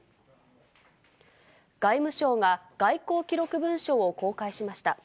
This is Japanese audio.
外務省が、外交記録文書を公開しました。